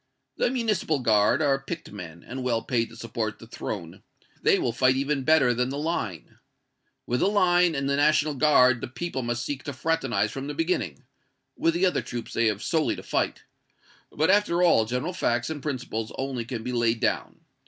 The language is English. The Municipal Guard are picked men, and well paid to support the Throne they will fight even better than the Line. With the Line and the National Guard the people must seek to fraternize from the beginning with the other troops they have solely to fight but, after all, general facts and principles only can be laid down.